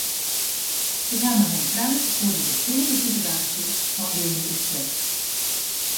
Ik ha mei him praat oer de besteande sitewaasje oangeande ús flat.